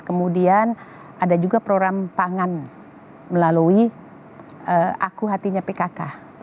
kemudian ada juga program pangan melalui aku hatinya pkk